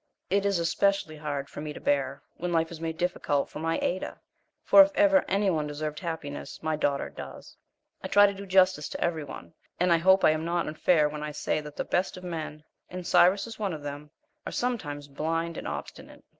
It is especially hard for me to bear, when life is made difficult for my Ada, for if ever any one deserved happiness my daughter does. I try to do justice to every one, and I hope I am not unfair when I say that the best of men, and Cyrus is one of them, are sometimes blind and obstinate.